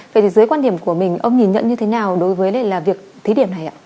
vậy thì dưới quan điểm của mình ông nhìn nhận như thế nào đối với việc thí điểm này ạ